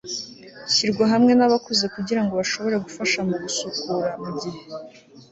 shyirwa hamwe nabakuze kugirango bashobore gufasha mugusukura, mugihe